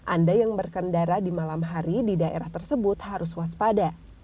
anda yang berkendara di malam hari di daerah tersebut harus waspada